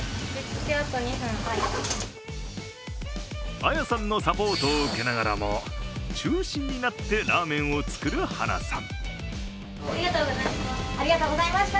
綾さんのサポートを受けながらも中心になってラーメンを作る晴名さん。